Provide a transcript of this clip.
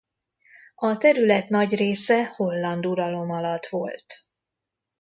A terület nagy része holland uralom alatt volt.